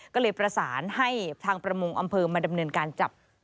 ก็เลยประสานให้ทางประมงอำเภอมาดำเนินการจับ